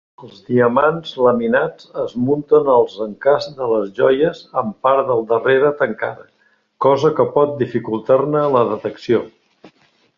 Els diamants laminats es munten als encasts de les joies amb part del darrere tancada, cosa que pot dificultar-ne la detecció.